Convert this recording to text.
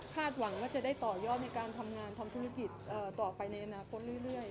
หวังว่าจะได้ต่อยอดในการทำงานทำธุรกิจต่อไปในอนาคตเรื่อย